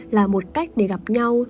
là một cách để gặp nhau